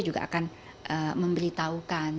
juga akan memberitahukan